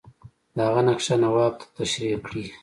د هغه نقشه نواب ته تشریح کړي.